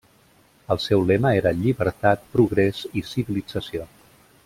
El seu lema era Llibertat, Progrés i Civilització.